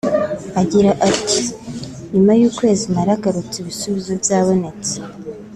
Agira ati “Nyuma y’ukwezi naragarutse ibisubizo byabonetse